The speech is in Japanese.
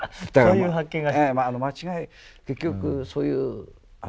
そういう発見が。